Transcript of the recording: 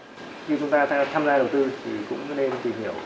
khi chúng ta tham gia đầu tư thì cũng nên tìm hiểu